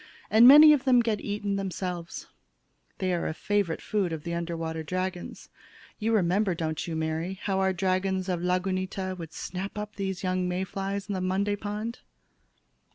And many of them get eaten themselves. They are favorite food of the under water dragons. You remember, don't you, Mary, how our dragons of Lagunita would snap up the young May flies in Monday Pond?